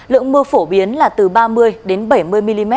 lượng mưa phổ biến là từ ba mươi đến bảy mươi mm